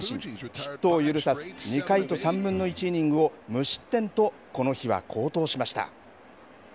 ヒットを許さず２回と３分の１イニングを無失点とこの日は好投しました。